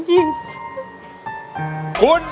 ทุนเพิ่มทุนรอ